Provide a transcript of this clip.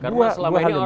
dua hal yang berbeda